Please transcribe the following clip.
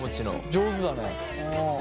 上手だね！